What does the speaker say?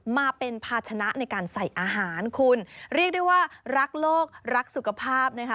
มาเป็นภาชนะในการใส่อาหารคุณเรียกได้ว่ารักโลกรักสุขภาพนะคะ